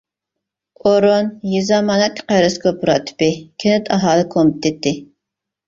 ئورۇن يېزا ئامانەت-قەرز كوپىراتىپى، كەنت ئاھالە كومىتېتى.